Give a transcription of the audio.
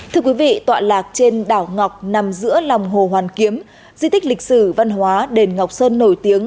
thưa quý vị tọa lạc trên đảo ngọc nằm giữa lòng hồ hoàn kiếm di tích lịch sử văn hóa đền ngọc sơn nổi tiếng